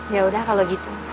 ya udah kalau gitu